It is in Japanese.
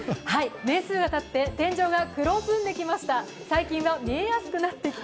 年数がたって天井が黒ずんできました。